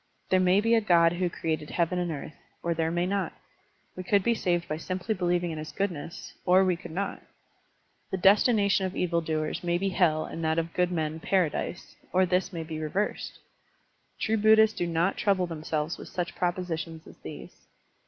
There may be a god who created heaven and earth, or there may not; we could be saved by simply believing in his goodness, or we could not; the destination of evil doers may be hell and that of good men paradise, or this may be reversed : true Buddhists do not trouble themselves with such propositions as these.